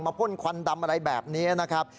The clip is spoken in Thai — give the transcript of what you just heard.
พ่นควันดำอะไรแบบนี้นะครับ